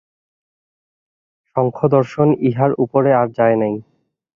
সাংখ্যদর্শন ইহার উপরে আর যায় নাই।